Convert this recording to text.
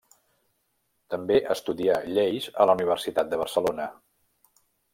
També estudià lleis a la Universitat de Barcelona.